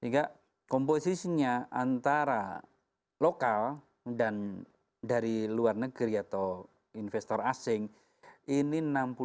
sehingga komposisinya antara lokal dan dari luar negeri atau investor asing ini enam puluh lima tiga puluh lima